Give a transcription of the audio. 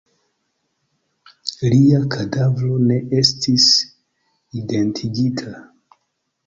Lia kadavro ne estis identigita.